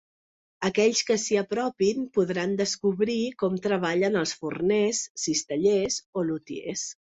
Aquells que s’hi apropin podran descobrir com treballen els forners, cistellers o lutiers.